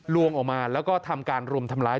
ลวงออกมาแล้วก็ทำการรุมทำร้าย